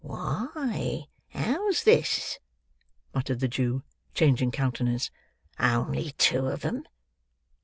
"Why, how's this?" muttered the Jew: changing countenance; "only two of 'em?